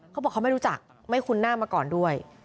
เขาบอกเขาไม่รู้จักไม่คุ้นหน้ามาก่อนด้วย